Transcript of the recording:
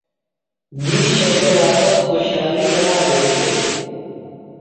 دِیشہ وے واپس خُوشحالیۡ کنا بھےۡ یھیلیۡ؟